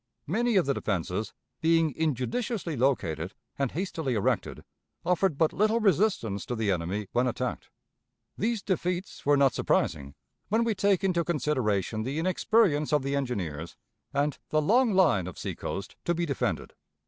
Many of the defenses, being injudiciously located and hastily erected, offered but little resistance to the enemy when attacked. These defeats were not surprising, when we take into consideration the inexperience of the engineers, and the long line of seacoast to be defended.